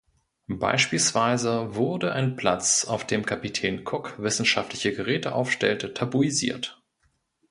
Beispielsweise wurde ein Platz, auf dem Kapitän Cook wissenschaftliche Geräte aufstellte, tabuisiert.